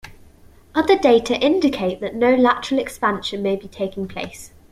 Other data indicate that no lateral expansion may be taking place.